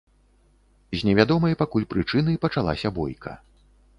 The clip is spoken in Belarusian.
З не вядомай пакуль прычыны пачалася бойка.